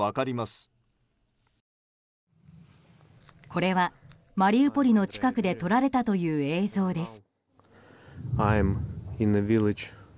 これはマリウポリの近くで撮られたという映像です。